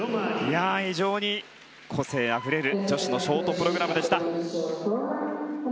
非常に個性あふれる女子のショートプログラムでした。